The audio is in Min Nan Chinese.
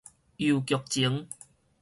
郵局前